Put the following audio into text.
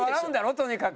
とにかく。